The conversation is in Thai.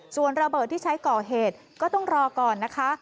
ส่วนระเบิดที่ใช้ก่อเหตุก็ต้องรอก่อนนะคะ